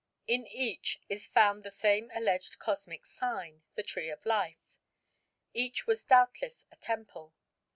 In each is found the same alleged cosmic sign, the Tree of Life. Each was doubtless a temple.